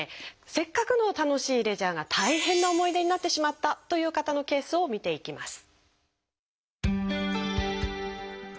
せっかくの楽しいレジャーが大変な思い出になってしまったという方のケースを見ていきます。